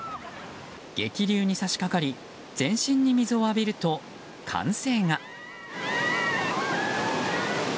激流に差し掛かり全身に水を浴びると、歓声が。